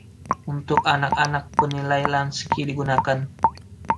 Untuk anak-anak, penilaian Lansky digunakan.